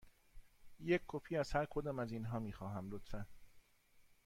یک کپی از هر کدام از اینها می خواهم، لطفاً.